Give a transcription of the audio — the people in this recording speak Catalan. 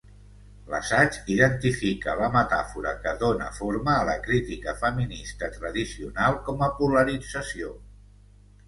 L'assaig identifica la metàfora que dóna forma a la crítica feminista tradicional com a polarització.